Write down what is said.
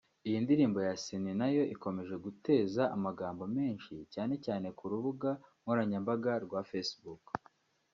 Iyi ndirimbo ya Ciney na yo ikomeje guteza amagambo menshi cyane cyane ku rubuga nkoranyambaga rwa Facebook